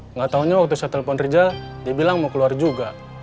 nggak taunya waktu saya telepon kerja dia bilang mau keluar juga